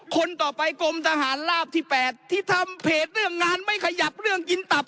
คนต่อไปกรมทหารลาบที่๘ที่ทำเพจเรื่องงานไม่ขยับเรื่องกินตับ